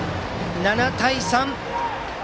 ７対３！